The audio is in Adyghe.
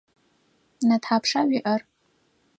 Нэ тхьапша уиӏэр?